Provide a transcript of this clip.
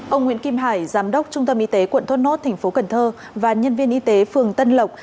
ông nguyễn kim hải giám đốc trung tâm y tế quận thốt nốt tp cn và nhân viên y tế phường tân lộc